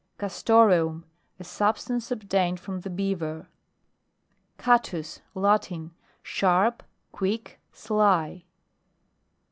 CASTOREUM. A substance obtained from the Beaver. CATUS. Latin. Sharp, quick, sly.